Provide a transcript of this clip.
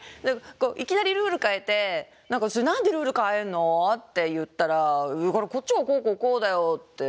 いきなりルール変えて「何でルール変えんの？」って言ったら「こっちはこうこうこうだよ」って